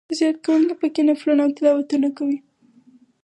زیارت کوونکي په کې نفلونه او تلاوتونه کوي.